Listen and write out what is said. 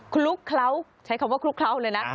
คลุกเขาใช้คำว่าคลุกเขาเลยนะ